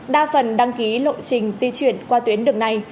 đa phần đăng ký lộ trình di chuyển qua tuyến đường này